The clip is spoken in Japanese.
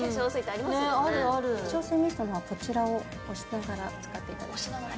あるある化粧水ミストの方はこちらを押しながら使っていただいて押しながら？